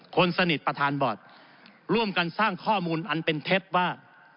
คนสนิทประธานบอร์ดร่วมกันสร้างข้อมูลอันเป็นเท็จว่า